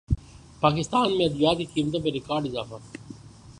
پاکستان میں ادویات کی قیمتوں میں ریکارڈ اضافہ